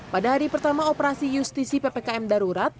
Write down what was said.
pada hari pertama operasi justisi ppkm darurat